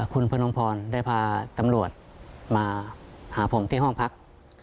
คุณพนมพรได้พาตำรวจมาหาผมที่ห้องพัก